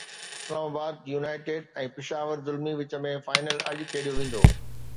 اسلام آباد يونائيٽيڊ ۽ پشاور زلمي وچ ۾ فائنل اڄ کيڏيو ويندو